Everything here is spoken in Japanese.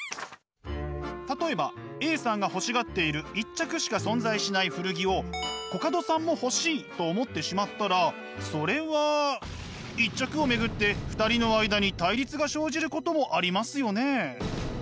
例えばＡさんが欲しがっている１着しか存在しない古着をコカドさんも欲しいと思ってしまったらそれは１着を巡って２人の間に対立が生じることもありますよね。